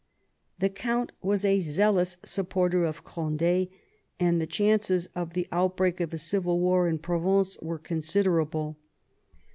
The count was a zealous supporter of Cond^, and the chances of the outbreak of a civil war in Provence were considerable.